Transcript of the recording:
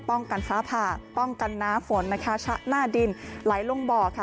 ป้องกันฟ้าผ่าป้องกันน้ำฝนนะคะชะหน้าดินไหลลงบ่อค่ะ